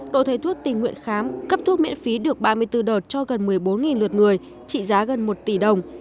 đội thầy thuốc tình nguyện khám cấp thuốc miễn phí được ba mươi bốn đợt cho gần một mươi bốn lượt người trị giá gần một tỷ đồng